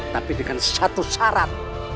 tapi dengan satu syarat